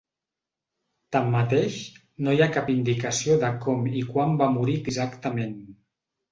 Tanmateix, no hi ha cap indicació de com i quan va morir exactament.